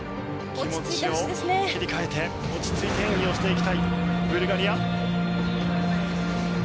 気持ちを切り替えて落ち着いて演技をしていきたいブルガリア。